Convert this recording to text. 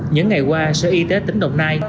những ngày qua sở y tế tỉnh đồng nai